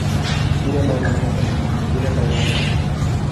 tira para la mesa, tira para la mesa.